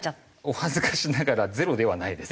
お恥ずかしながらゼロではないです。